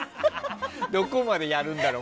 どこまでやるんだろう